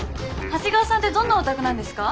長谷川さんてどんなお宅なんですか？